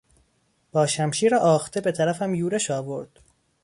با شمشیر آخته به طرفم یورش آورد.